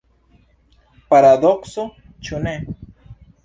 Paradokso, ĉu ne?